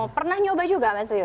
oh pernah nyoba juga mas rio